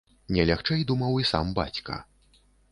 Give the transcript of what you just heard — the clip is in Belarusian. Не лягчэй думаў і сам бацька.